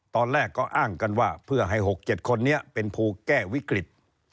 ตอนแรกก็อ้างกันว่าเพื่อให้๖๗คนนี้เป็นภูแก้วิกฤต